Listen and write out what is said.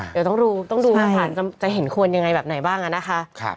เดี๋ยวต้องดูหลักฐานจะเห็นควรยังไงแบบไหนบ้างนะคะ